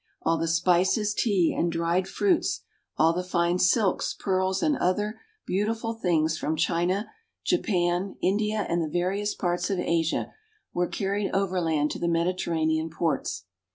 All the spices, tea, and dried fruits, all the fine silks, pearls, and other beau tiful things from China, Japan, India, and the various parts of Asia, were carried overland to the Mediterranean ports.